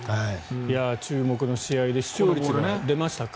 注目の試合で視聴率が出ましたか。